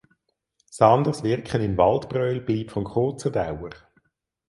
Sanders Wirken in Waldbröl blieb von kurzer Dauer.